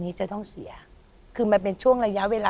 พี่น้องรู้ไหมว่าพ่อจะตายแล้วนะ